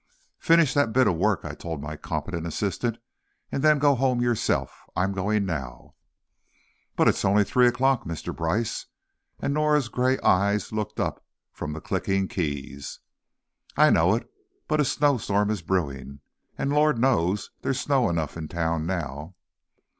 "Finish that bit of work," I told my competent assistant, "and then go home yourself. I'm going now." "But it's only three o'clock, Mr. Brice," and Norah's gray eyes looked up from the clicking keys. "I know it, but a snow storm is brewing, and Lord knows there's snow enough in town now!"